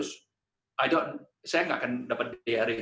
saya tidak akan dapat diary